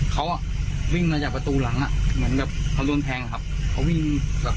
ก็โทรหา๑๙๑อะ